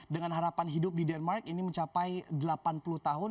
dengan harapan hidup di denmark ini mencapai delapan puluh tahun